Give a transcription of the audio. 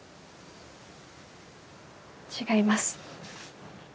違います。